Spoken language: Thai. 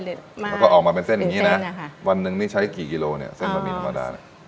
แล้วก็ออกมาเป็นเส้นอย่างนี้นะวันหนึ่งนี่ใช้กี่กิโลเนี่ยเส้นบะหมี่ธรรมดาเนี่ย